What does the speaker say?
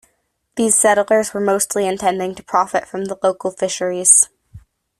These settlers were mostly intending to profit from the local fisheries.